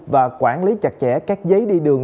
và quản lý chặt chẽ các giấy đi đường